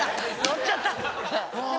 乗っちゃった。